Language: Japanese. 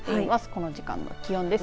この時間の気温です。